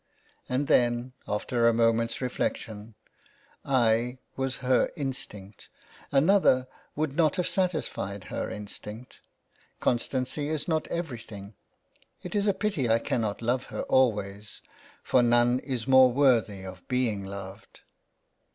.. And then, after a moment's reflection, " I was her instinct ; another would not have satisfied her instinct ; constancy is not everything. It's a pity I cannot love her always, for none is more worthy of being loved."